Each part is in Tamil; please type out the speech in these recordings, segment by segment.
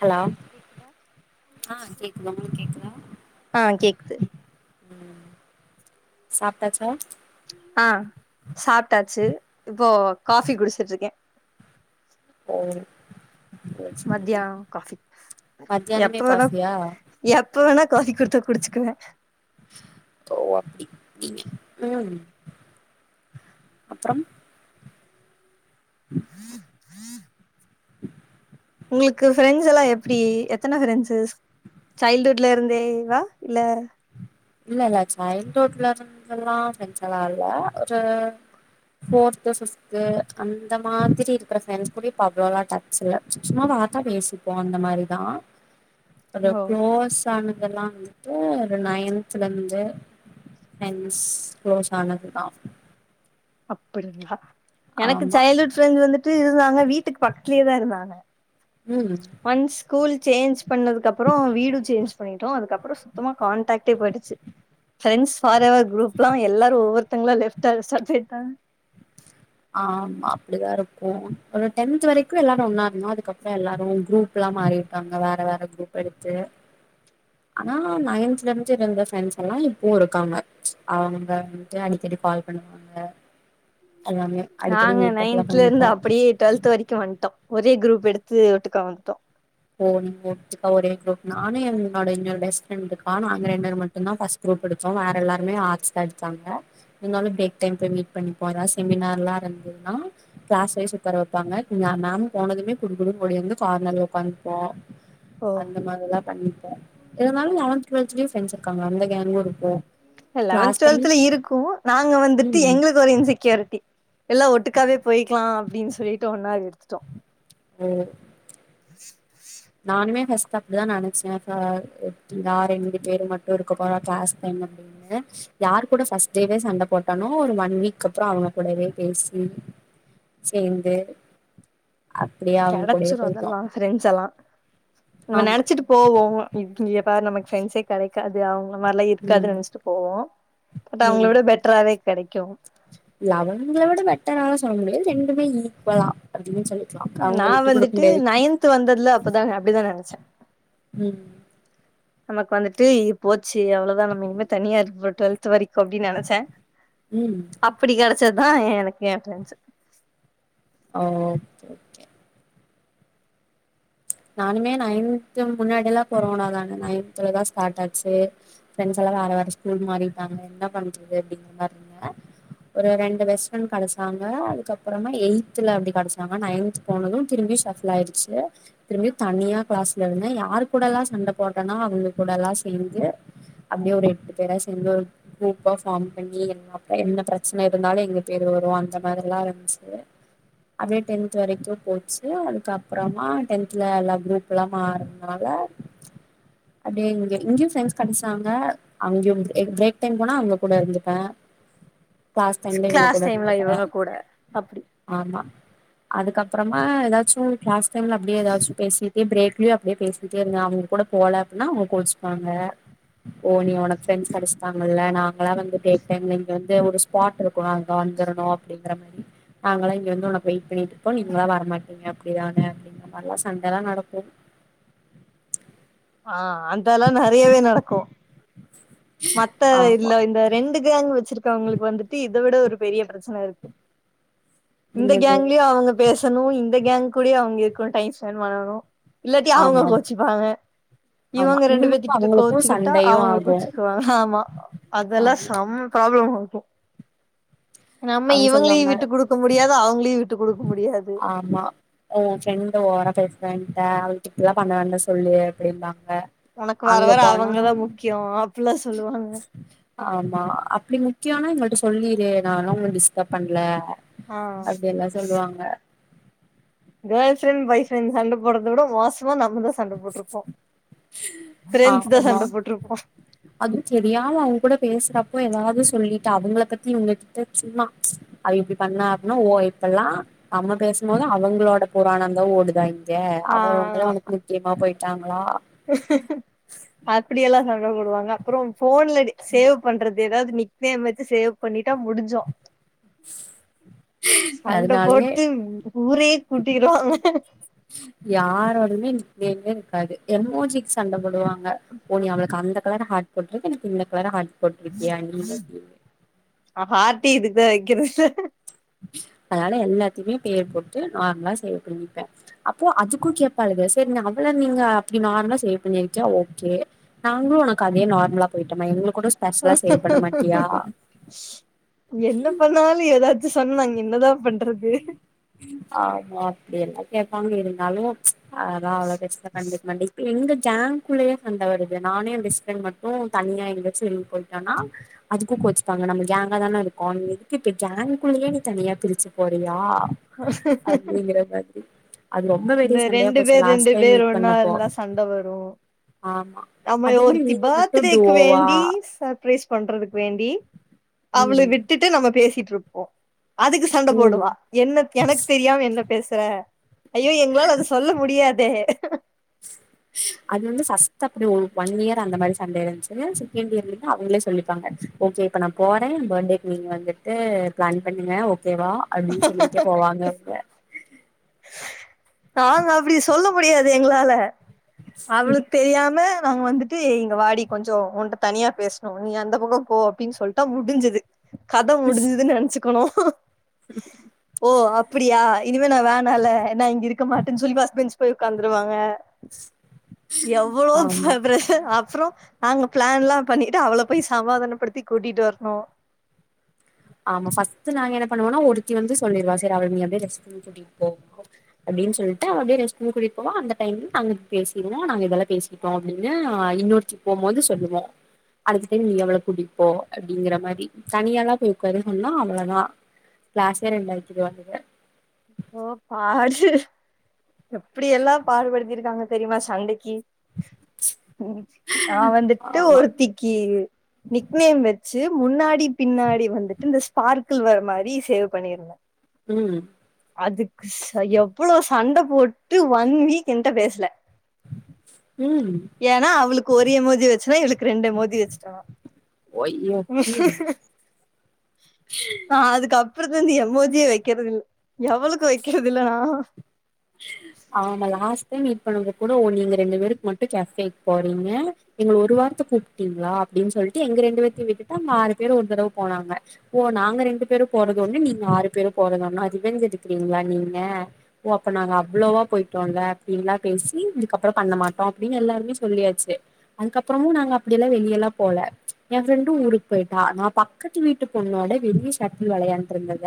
ஹலோ ஆ கேக்குது உங்களுக்கு கேக்குதா ஆ கேக்குது சாப்டாச்சா ஆ சாப்ட்டாச்சு இப்போ காஃபி குடுச்சுட்ருக்கே [unintelligible] சரி மதியா காஃபி எப்ப மத்தியானமே வேணா காஃபியா எப்ப வேணா காஃபி குடுத்தா குடுச்சுக்குவே ஓ அப்டி நீங்க உம் அப்புறம் உம் உங்களுக்கு ஃபிரெண்ட்ஸ் எல்லா எப்பிடி எத்தன ஃபிரெண்ட்ஸஸ் சைல்டுஹுட்ல இருந்தே வா இல்ல இல்ல இல்ல சைல்ட் வுட்ல இருந்து எல்லாம் ஃபிரண்ட்ஸ் எல்லாம் இல்ல ஒரு ஃபோர்த்து பிஃப்து அந்த மாதிரி இருக்கிற பிரெண்ட்ஸ் கூட அவ்வளோலாம் டச்ல்ல சும்மா பாத்தா பேசிப்போம் அந்த மாதிரிதான் ஓ குளோஸ் ஆனதெல்லாம் இப்போ ஒரு நயன் சிலந்து னஸ் குளோஸ் ஆனதுதான் அப்படிங்களா எனக்கு சைல்ட்ஹுட் ஃபிரெண்ட் வந்துட்டு இருந்தாங்க வீட்டுக்கு பக்கத்துலயே தான் இருந்தாங்க ம் ஒன் ஸ்கூல் சேஞ்ச் பண்ணதுக்கு அப்றம் வீடு சேஞ் பண்ணிட்டோம் அதுக்கப்புறம் சுத்தமா காண்டாக்டை போயிச்சு ஃபிரண்ட்ஸ் ஃபார்எவர் குருப்ளாம் எல்லாரும் ஒவ்வொருத்தவருரா லெஃப்ட் ஆக செய்றாங்க ஆமா அப்படிதான் இருக்கும் ஒரு டென்த் வரைக்கும் எல்லாரும் ஒன்னா இருந்தும் அதுக்கப்புறம் எல்லாரும் குரூப் எல்லாம் மாறி அங்க வேற வேற குருப் இது னா நைன்த்ல இருந்து இருந்த ஃப்ரென்ஸ் ல்லாம் இப்பவும் இருக்காங்க அவுங்க வந்துட்டு அடிக்கடி கால் பண்ணுவாங்க எல்லாமே அடிக்கடி நாங்க மீட்டப்லா நைன்த்ல இருந்து பண்ணிப்போ அப்படியே டு்வெல்த் வரைக்கும் வந்ட்டோம் ஒரே குரூப் எடுத்து ஒட்டுக்கா வந்த்ட்டோம் [unintelligible] நீங்க ஒட்டுக்கா ஒரே குரூப் நானு என்னோட என்னோட பெஸ்ட் ஃப்ரெண்ட் இருக்கா நாங்க ரெண்டுர் மட்டும் தான் ஃபர்ஸ்ட் குரூப் எடுத்தோம் வேற எல்லாருமே ஆட்ஸ் தான் எடுத்தாங்க இருந்தாலும் பிரேக் டைம் போய் மீட் பண்ணி போம் ஏதாது செமினார்ல்லாம் இருந்ததுன்னா கிளாஸ்வைஸ் உக்கார வப்பாங்க நான் மேம் போனதுமே குடுகடுனு ஒடி வந்து கார்னர்ல உட்காந் ஆஹ் ஓ அந்த மாதிரிதான் பண்ணிப்போன் இருந்தாலும் லெவன்த் டுவெல்த்லையும் ஃப்ரென்ஸ் இருக்காங்க அந்த கேங்கும் இருக்கும் லெவன்த் கிளாஸ் டுவெல்த்ல இருக்கு நாங்க உம் எல்லாம் ஒட்டுக்காவே போயிக்கலாம் அப்படின்னு சொல்லிட்டு ஒன்னாவே எடுத்துட்டோம் உம் உஹம் [unintelligible] அப்டிதான் நினச்சேன் யா ரெண்டு பேரு மட்டும் இருக்க போறா கிளாஸ் டைம் அப்படின்னு யார் கூட ஃபர்ஸ்ட் டேவே சண்ட போட்டானோ ஒரு ஒன் வீக் அப்புறம் அவங்க கூடவே பேசி சேந்து அப்டியே அவங்க கூடயே கெடச்சிரும் போயிட்டோ அதெல்லா ஃப்ரெண்ட்ஸ் ல்லா நம்ம ஆமா நெனச்சிட்டு போவோம் இப்ப நமக்கு ஃப்ரண்ட்ஸே கெடைக்காது அவுங் அது மாரி லா இருக்காதுனு ம் நெனச்சிட்டு போவோம் பட் அவுங்கள விட பெட்ராவே கெடைக்கும் லவங்கள விட பெட்ரா சொல்ல முடியாது ரெண்டுமே ஈக்குவலா அப்படின்னு சொல்லி நான் வந்துட்டு நைன்த் வந்ததுல அப்பதான் அப்படிதான் நெனைச்சே ம் நமக்கு வந்துட்டு இப்போ சீ அவ்ளதான் நம இனிமே தனியா இருப்ப ட்வெல்த் வரைக் அப்டி நெனைச்சேன் ம் அப்டி கிடச் பச்சதான் எனக்கு ஏன் ப்ரென்ஸ் ஓ ஒ ஓக்கே ஓக்கே நானுமே நைன்து முன்னாடி ல்லாம் கொரோனா தானே நைன்தலதான் ஸ்டார்ட் ஆச்சு ஃப்ரெண்ட்ஸ் எல்லாம் வேற வேற ஸ்கூல் மாறிட்டாங்க என்ன பண்றது அப்படிங்கனு மா இருங்க ஒரு ரெண்டு பெஸ்ட் ஃப்ரெண்ட் கிடைச்சாங்க அதுக்கப்புறமா எயி்த்ல அப்படி கிடைச்சாங்க நைன்த் போனதும் திரும்பி ஷஃபுல் ஆயிடுச்சு திரும்பி தனியா கிளாஸ்ல இருந்தே யார் கூடலாம் சண்டை போடுறேனோ அவுங்க கூடலாம் சேர்ந்து அப்டியே ஒரு எட்டு பேரா சேர்ந்து ஒரு குரூப்பா ஃபார்ம் பண்ணி எ அப்புறம் என்ன பிரச்சன இருந்தாலும் எங்க பேர் வரும் அந்த மாதிரிலாம் இருந்துச்சு அப்படியே டென்த் வரைக்கும் போச்சு அதுக்கப்புறமா டென்த் வல எல்லா குரூப் எல்லாம ஆறதுனால அப்படியே இங்க இங்கயும் ஃபிரெண்ட்ஸ் கடைசாங்க அங்கேயும் பிரேக் டைம் போனா அங்க கூட இருந்துப்பன் கிளாஸ் டைம் ல இங்க கிளாஸ் கூட டைம்ல இருந்திருபேன் இவங்க கூட அப்டி ஆமா அதுக்கப்புறமா ஏதாச்சும் கிளாஸ் தெர்ல அப்டியே எதாச்சும் ஏ பிரேக்லயும் அப்படியே பேசிக்கிட்டே இருந்தேங்க அவுங்க கூட போல அப்டின்னா அவுங்க கோச்ப்பாங்க ஓ நீ உனக்கு ஃப்ரெண்ட்ஸ் கெடச்சிட்டாங்கல்ல நான் அங்களா வந்து பிரேக் டைம்ல இங்க இத ஒரு ஸ்பாட் இருக் அங்க வந்துரனும் அப்டின்னு மறி நாங்களா இங்க வந்து உனக்கு வெயிட் பண்ணிட்டு இருப்போம் நீங்களா வரமாட்டீங்க அப்டிதானே அப்டிக்கிற மாறில சண்டெல்லாம் நடக்கும் ஆஹ் அதெல்லாம் நிறையவே நடக்கும் மத்த ஆமா இல்ல இந்த ரெண்டுகு ங்க வச்சிருக்க அவங்களுக்கு வந்துட்டு இதை விட ஒரு பெரிய பிரச்சனை இருக்கு இந்த என்னது கேங்லயும் அவங்க பேசணும் இந்த கேங்க் கூடயும் அவங்க இருக் டைம் ஸ்பெண்ட் பண்ணணும் இல்லாடி அவங்க ஆமா கேச்சுப்பாங்க ஆமா இவங்க ரெண்டு பேத்த இவங்களுக்கும் கிட்ட அவங்களுக்கும் கோச்சுக்கிட்டா சண்டையும் அவங்க ஆகும் கோச்சுக்குவாங்க ஆமா அதெல்லாம் ஆமா சம்ப [unintelligible] நம்ம அவங்க சொல்லுவாங்க இவங்களையும் விட்டு குடுக்க முடியாது அவங்களையும் விட்டு குடுக்க முடியாது ஆமா உன் ஃப்ரெண்டு ஓவரா பேசுறா என்ட இப்பெல்லாம் பண்ணவேனாம் சொல்லு அப்டின்னா உனக்கு வர வர அவுங்கதான் முக்கியம் அப்புல்லாம் சொல்லுவாங்க ஆமா அப்டி முக்கியம்னா எங்களிட்ட சொல்லிரு நான்லாம் உன்ன டிஸ்டப் பண்ணல ஆ அப்டி எல்லா சொல்லுவாங்க கேர்ள் ஃப்ரண்ட் பாய் ஃப்ரண்ட் சண்டை போடுறத விட மோச ஃப்ரெண்ட்ஸ் தா ஆமா சண்ட போட்ருப்போ அதுவும் தெரியாம அவங்க கூட பேசுறப்போ எதாது சொல்லி அவங்கள பத்தி உங்க கிட்ட சும்மா அது இப்டி பண்ணா அப்பனா ஓ இப்பல்லாம் நம்ம பேசும்போது அவங்களோட புராணம் தான் ஓடுதா இங் க அவ உங்க அவன் போயிட்டான் அப்டி எல்லா சொல் சண்டை போடுவாங்க அப்புறம் போன்லடி சேவ் பண்றது ஏதாது நிக் நேம் வச்சு சேவ் பண்ணிட்டா முடிஞ்சோம் சண்டை அதனாலயே போட்டு ஊரே கூட்டிடுவாங்க கேக்காது எம் மோ ஜிக்கு சண்டைப்போடுவான் போனி அவளுக்கு அந்த கலர்ஹார்டு போட்ருக்கு எனக்கு இந்த கலர் ஹாட் அ ஹார்ட்டி இதுக்கு [unintelligible] அதனால எல்லாத்தையுமே பேர் போட்டு நார்மலா சேவ் பண்ணிப்பேன் அப்போ அதுக்கும் கேடப்பாரு சரி அவள நீங்க அப்படி நார்மலா சேவ் பண்ணிருக்கியா ஓகே நாங்களும் உனக்கு அதே நார்மலா போயிட்டோமா எங்களுக்கு கூட ஸ்பெஷலா சேவ் பண்ண மாட்டியா என்ன பண்ணாலும் ஏதாச் சொன்னாங்க என்னதான் பன் ஆமா அப்படில்ல கேக்காம இருந்தாலும் ச் அதான் அவ்ளோ பெர்ச கண்டி ம ண்டி இப்ப எங்க கேம்பளே சண்ட வருது நானே என் பெஸ்ட்பிரண்ட் மட்டும் தனியா எங்கயாச்சும் வெளிய போயிட்டேனா அதுக்கும் கோச்சிபங்க நம்ம கேங்கா தானே இருக்கே இப்ப எதுக்கு கேங்குள்ளேயே நீ தனியா பிரிச்ச போறயா அப்படிங்கற மாதிரி அது ரொம்ப பெரிய இந்த சண்டையா போச்சு ரெண்டுப்பேர் லாஸ்ட் டைம் ரெண்டுப்பேர் மீட் ஒன்னா பண்ணப்போ இருந்தா சண்டை வரும் ஆமா நம்மய அது என்ன ஒருத்தி நீங்க மட்டு பர்த்டேக்கு டுவோவா வேண்டி சர்பரைஸ் பண்றதுக்கு வேண்டி அவளட ம் விட்டுட்டு நம்ம பேசிட் திருப்போ அதுக்கு சண்ட ம் போடுவா என்ன எனக்கு தெரியாம என்ன பேசுற ஐயோ எங்களால அத சொல்ல முடியாதே சு அது வந்து சஸ் தப்படி ஒரு ஒன்யியர் அந்த மாரி சண்ட இருந்துச்சு செகண்ட் இயர்லந்து அவங்களே சொல்லிப்பாங்க ஓகே இப்ப நான் போறே பர்த்டேக்கு நீங்க வந்துட்டு பிளான் பண்ணுங்க ஓ ஓக்கேவா அப்டின்னு சொல்லிட்டே போவாங்கங்க நாங்க அப்டி சொல்ல முடியாது எங்களால அவளுக்கு தெரியாம நாங்க வந்துட்டு இங்க வாடி கொஞ்ச உன்கிட்ட தனியா பேசனும் நீ அந்த பக்கபோ அப்டின் சொல்ட முடிஞ்சது கத முடிஞ்து நினைச்சு க்கணும் ஓ அப்டியா இனிமே நா வேணால நா இங்க இருக் இருக்க மாட்டேன்னு சொல்லி பஸ்ட் பெஞ்ச் போய் உட்காந்துருவாங்க எவ்வளோ போ ஆமா ப்ரெஷர் அப்பறம் நாங்க பிளான்ல பண்ணிட்டு அவ்வளாபோய் சமாதானப்படுத்தி கூட்டிட்டு வரணு ஆம்மா ஃபஸ்ட்டு நாங்க எனக். பண்ணுவோனா ஒருத்தி வந்து சொல்லிடுவா சேரி அவள அப்படியே ரெஸ்ட்ரும் கூடிட்டுப்போ அப்டின்னு சொல்லிட்டு அவ அப்டியே ரெஸ்ட்ரூம் கூட்டிட்டு போவா அந்த டைம் நாங்க பேசிடுவோ நாங்க இதெல்லா பேசிட்டோ அப்படின்னு இன்னொருத்தி போம்போது சொல்லுவோ. அழுதுட்டே நீ அவ்வள கூட்டிட்டுப்போ அப்படிங்கிற மாரி தனியாலா போயி. [unintelligible] அவ்ளோதா. க்ளாசே ரெண்டாக்கிடுவாளுக. ஓ பாரு எப்படி எல்லா பாடுபடுத்திருக்காங்க தெரியுமா சண்டைக்கி. நா வந்துட்டு ஆமா ஒருத்திக்கி நிக்நேம்மு. ச்சு முன்னாடி பின்னாடி வந்துட்டு இந்த ஸ்பார்க்கிள் வர மாரி சேவ் பண்ணிருந்த. உம்ம். அதுக்குஸ் ஐயோ எவ்வளோ சண்ட போட்டு ஒன் வீக் என்கிட்ட பேசல. ஸ் உம். ஏன்னா அவளுக்கு ஒரு எமோஜி வச்சனா இவளுக்கு ரெண்டு எமோஜி வச்சுட்டனா. ஒய்யோ ம் ஹஹேஹ அதுக்கப். அப்புறத்துலருந்து எமோஜியே வைக்குறதுயில்ல எவ்வளுக்கு வெக்கிறது இல்ல நா. ஆமால்ல ஆ. மீட் பண்ணறது கூட ஓ நீங்க ரெண்டு பேருக்கு மட்டும் கெஃபேக்கு போறீங்க. எங்கள ஒரு வார்த்த கூப்பிட்டீங்களா அப்படின்னு சொல்லிட்டு எங்க ரெண்டு பேத்தையும் விட்டு அங்க ஆறு பேரும் ஒரு தடவ போனாங்க. ஓ நாங்க ரெண்டு பேரும் போறது ஒன்னு நீங்க ஆறு பேரும் போறது ஒன்னா அதுவே எடுக்கறீங்களா நீங்க ஓ. அப்ப நாங்க அவ்வளோவா போயிட்டோல்ல அப்படின்ல்லா பேசி இதுக்கப்புறோ பண்ண மாட்டோ அப்படின்னு எல்லாருமே சொல்லியாச்சு. அதுக்கப்புறமு நாங்க அப்படியெல்லா வெளிய எல்லா போல. என் ஃப்ரெண்டு ஊருக்கு போயிட்டா நா பக்கத்து வீட்டு பொண்ணோட வெளிய ஷட்டில் விளையாண்டுட்டு இருந்தத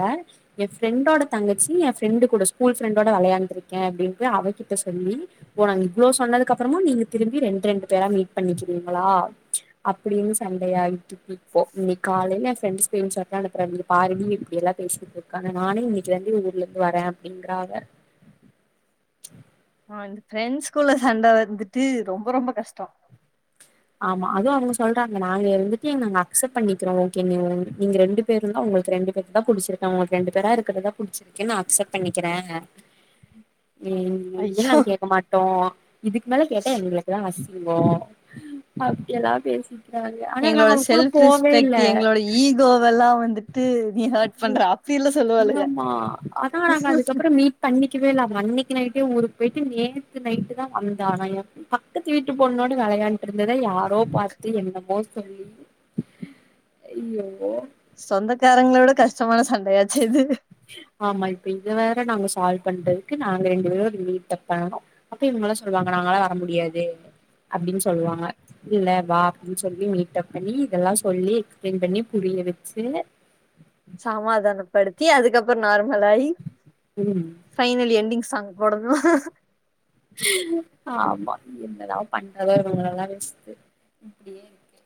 எ ஃப்ரெண்டோட தங்கச்சி எ ஃப்ரெண்டு ரெண்டு கூட ஸ்கூல் ஃப்ரெண். ட விளையாண்டு இருக்க அப்படின்னு அவகிட்ட சொல்லி ஓ நாங்க இவ்வளோ சொன்னதுக்கப்புறமு நீங்க திரும்பி ரெண்ரெண்டு. பேரா மீட் பண்ணிக்கிறிங். நம்மளா ம்ச் அப்படின்னு சண்டேயாயிகிட்டு இருக்கு இப்போ. இன்னிக்கு காலையில என் ஃப்ரெண்ட்டு ஸ்கிரீன் ஷாட் அனுப்புறா இங்க பாரு டீ இப்படியெல்லாம் பேசிட்டு இருக்காங்க நானே இன்னிக்குதா டீ ஊர்ல இருந்து வர அப்படிங்குறா அவ. [inaudible] ஆஹ இந்த ஃப்ரெண்ட்ஸ்குள்ள சண்ட வந்துட்டு ரொம்ப ரொம்ப கஷ்டோ. ஆமா அதுவும் அவங்க சொல்றாங்க நாங்க இருந்துட்டு நாங்க அக்செப்ட் பண்ணிக்கிறோ ஓகே நீ நீங்க ரெண்டு பேரு இருந்தா உங்களுக்கு ரெண்டு பேருக்குதா புடிச்சிருக்கா உங்களுக்கு ரெண்டு பேரா இருக்குறதா புடிச்சிருக்கா நா அக்செப்ட் பண்ணிக்கிற. உம் இனிமேல் ஐயோ நாங்க கேட்க மாட்டோ. இதுக்கு மேல கேட்டா எங்களுக்குதா அசிங்கோ. அப்டியெல்லா பேசி. எங்களோட செல்ஃப் ரெஸ்பெக்ட் எங்களோட ஈகோவெல்லா வந்துட்டு நீ ஹேர்ட் பண்ற அப்பீல்ல சொல்லுவாளுக. ஆமா அதா நாங்க ஹஹேஹ. அதுக்கப்புறோ மீட் பண்ணிக்கவே இல்ல அவ அன்னைக்கு நைட்டே ஊருக்கு போயிட்டு நேத்து நைட்டுதா வந்தா. என் பக்கத்து வீட்டு பொண்ணோட வெளையாண்டுரு. இருந்தத யாரோ பாத்து என்னமோ சொல்லி ஐயோ. சொந்தக்காரங்களோட கஷ்டமான சண்டையா. ஆச்சே இது. ஆமா இப்ப இத வேற நாங்க சால்வ் பண்றதுக்கு நாங்க ரெண்டு பேரும் ஒரு மீட்ப் பண்ணோ. அப்ப இவங்களா சொல்லுவாங்க நாங்களாம் வர முடியாது அப்படின்னு சொல்லுவாங்க இல்ல வா அப்படின்னு சொல்லி மீட்டப் பண்ணி இதெல்லா சொல்லி எக்ஸ்பிளைன் பண்ணி புரிய வச்சு. ச்சி அதுக்கப்புறோ நார்மல். லை ம் ஃபைனலி எண்டிங் சாங். போடனு ஹஹேஹ. ஆமா. என்னதா பண்றதோ இவங்களயெல்லா வச்சுட்டு இப்படியே இருக்கு.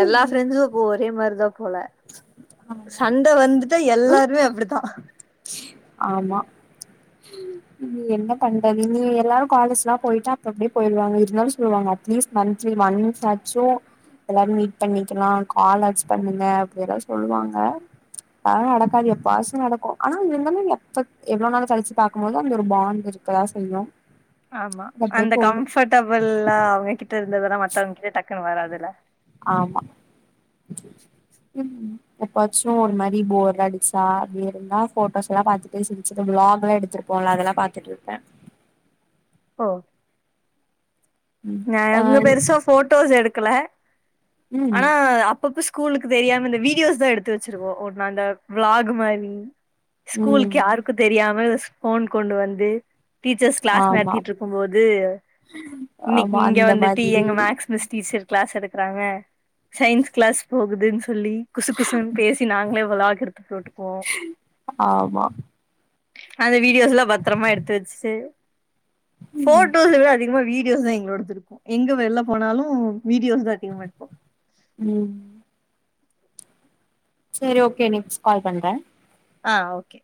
எல்லா ஃப்ரெண்ட்ஸும் அப்போ ஒரே மாரிதா போல. ஆமா சண்ட வந்துட்டா எல்லாருமே அப்படித்தா. ஆமா ம்ச் என்ன பண்றது நீ எல்லாரு காலேஜ் எல்லா போயிட்டா அப்பப்படியே போயிருவாங்க இருந்தாலு சொல்லுவாங்க அட்லீஸ்ட் மந்திலி ஒன்ஸ் ஆச்சு. எல்லாரு மீட் பண்ணிக்கலா கால் ஆச்சு பண்ணுங்க அப்டியெல்லா சொல்லுவாங்க. அது எல்லா நடக்காது எப்பவாசீ நடக்கு ஆனா. தின்னு எப்ப எவ்வளோ நாலு கலிச்சு பாக்கும்போது அந்த ஒரு பாண்ட் இருக்குதா செய்யு. ஆமா அது அப்டியே அந்த போகு கம்ஃபர்டபுள்லாம் அவங்கிட்ட இருந் தான் மத்தவங்க கிட்ட டக் வராதுல்ல ஆமா ம் எப்பாச்சும் ஒரு மாரி போர் அடிச்சா அப்படியே இருந்தா போட்டோஸ் எல்லாம் பாத்துட்டே சிரிச்சு விளாக் எல்லாம் எடுத்திருப்போம் இல்ல அதெல்லாம் பாத்துட்டு இருப்பேன் ஹோ ம் நான் ஆ எங்க பெருசா போட்டோஸ் எடுக்கல ம் ஆனா அப்பப்ப ஸ்கூலுக்கு தெரியாம இந்த வீடியோஸ் தான் எடுத்து வத் வச்சிருவோம் ஒன்னு அந்த விளாக் மாரி ஸ்கூலுக்கு ம் யாருக்கும் தெரியாம போன் கொண்டு வந்து டீச்சர்ஸ் கிளாஸ் ஆமா நடத்திட்டு இருக்கும்போது இன்னைக்கு ஆமா இங்க அந்த வந்துட்டு மாதிரி எங்க மேக்ஸ் மிஸ் டீச்சர் கிளாஸ் எடுக்கறாங்க சயின்ஸ் கிளாஸ் போகுதுன்னு சொல்லி குசு குசு பேசி நாங்களே விளாஃக் எடுத்து போட்டு ஆமா அந்த வீடியோஸ் எல்லாம் பத்திரமா எடுத்து வச்சு ம் போட்டோஸ் எல்லாம் அதிகமா வீடியோஸ் தான் எங்களோடதிருக்கும் எங்க வெல்ல போனாலும் வீடியோஸ் தான் அதிகமா எடுப்போம் உம் சரி ஓகே நெக்ஸ் கால் பண்றேன் ஆஹ் ஓகே